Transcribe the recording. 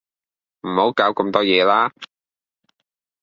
唔好搞咁多嘢啦